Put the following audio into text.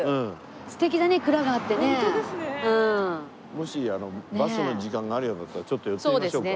もしバスの時間があるようだったらちょっと寄ってみましょうか。